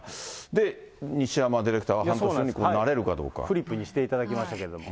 で、西山ディレクターは半年後に、これ、フリップにしていただきましたけれども。